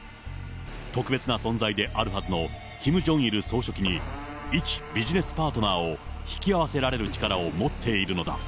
特別な存在であるはずのキム・ジョンイル総書記に、いちビジネスパートナーを引き合わせられる力を持っているのだ。